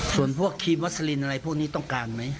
ส่วนพวกครีมวัสลินอะไรพวกนี้ต้องการไหม